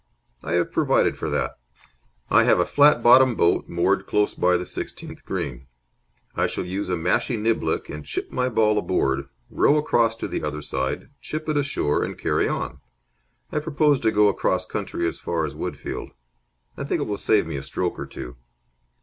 "I have provided for that. I have a fiat bottomed boat moored close by the sixteenth green. I shall use a mashie niblick and chip my ball aboard, row across to the other side, chip it ashore, and carry on. I propose to go across country as far as Woodfield. I think it will save me a stroke or two."